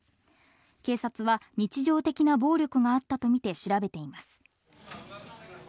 警察は日常的な暴力があったとみて調べています。